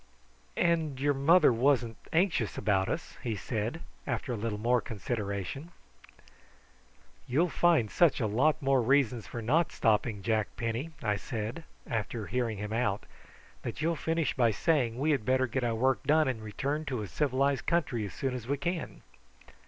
"And your mother wasn't anxious about you," he said, after a little more consideration. "You'll find such a lot more reasons for not stopping, Jack Penny," I said, after hearing him out, "that you'll finish by saying we had better get our work done and return to a civilised country as soon as we can."